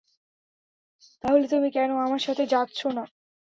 তাহলে তুমি কেন আমার সাথে যাচ্ছ না?